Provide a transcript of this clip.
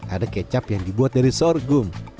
ada kecap yang dibuat dari sorghum